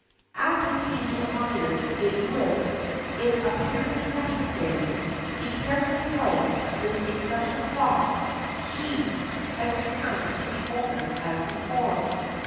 After being admired it would, if apparently necessary, be carefully wiped with a special cloth, sheathed, and returned to the owner as before."